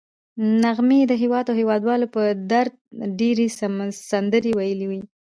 نغمې د هېواد او هېوادوالو په درد ډېرې سندرې ویلي دي